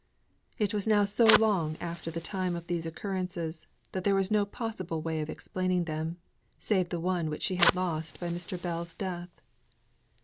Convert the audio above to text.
It was now so long after the time of these occurrences, that there was no possible way of explaining them save the one which she had lost by Mr. Bell's death.